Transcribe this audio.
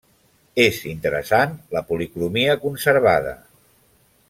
És interessant la policromia conservada.